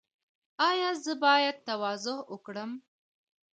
ایا زه باید تواضع وکړم؟